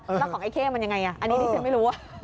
แล้วของไอ้เข้มันยังไงอันนี้ดิฉันไม่รู้ว่า